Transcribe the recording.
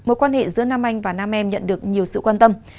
mối quan hệ giữa nam anh và nam em nhận được nhiều sự quan tâm